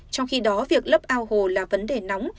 trong khi đó việc lấp ao hồ là vấn đề nóng